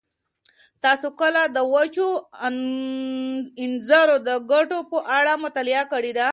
تاسو کله د وچو انځرونو د ګټو په اړه مطالعه کړې ده؟